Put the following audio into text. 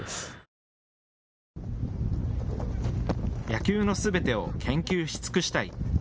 野球のすべてを研究し尽くしたい。